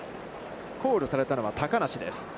コールされたのは、高梨です。